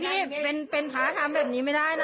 นี่เป็นพระทำแบบนี้ไม่ได้นะ